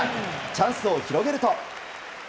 チャンスを広げると。